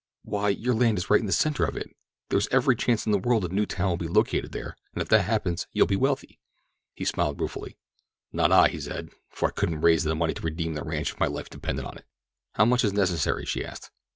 "Why, your land is right in the center of it—there is every chance in the world that the new town will be located there, and if that happens you'll be wealthy." He smiled ruefully. "Not I," he said; "for I couldn't raise the money to redeem the ranch if my life depended on it." "How much is necessary?" she asked.